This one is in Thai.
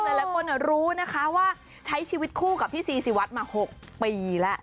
หลายคนรู้นะคะว่าใช้ชีวิตคู่กับพี่ซีซีวัดมา๖ปีแล้ว